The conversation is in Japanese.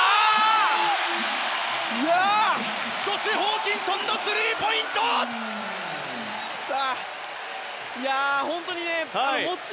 ホーキンソンのスリーポイント！来た！